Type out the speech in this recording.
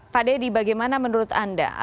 pak deddy bagaimana menurut anda